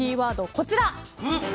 こちら。